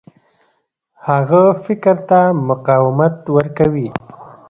هغه فکر ته مقاومت ورکوي.